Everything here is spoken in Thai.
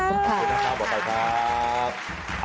ขอบคุณค่ะหมอไก่มาก